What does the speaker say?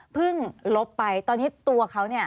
ลบไปตอนนี้ตัวเขาเนี่ย